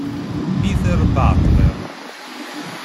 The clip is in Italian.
Peter Butler